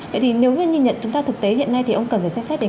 vậy thì nếu như nhìn nhận chúng ta thực tế hiện nay thì ông cần phải xem xét đến